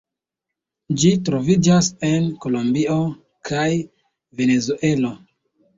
Ĝi troviĝas en Kolombio kaj Venezuelo.